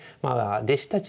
弟子たち